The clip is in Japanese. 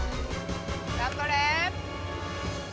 頑張れ！